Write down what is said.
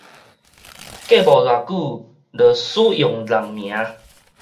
過無偌久就使用人名